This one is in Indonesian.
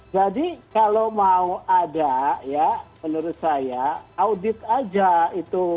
jadi kalau mau ada ya menurut saya audit aja itu